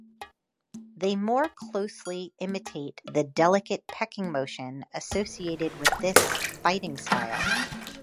They more closely imitate the delicate pecking motion associated with this fighting style.